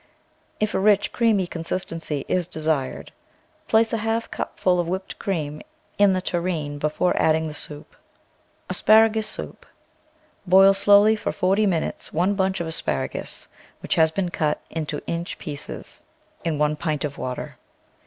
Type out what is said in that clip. If a rich, creamy consistency is desired, place a half cup ful of whipped cream in the tureen before adding the soup. ASPARAGUS SOUP Boil slowly for forty minutes one bunch of as paragus, which has been cut into inch pieces, in PERENNIAL VEGETABLES one pint of water.